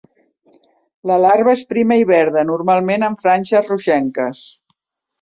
La larva és prima i verda, normalment amb franges rogenques.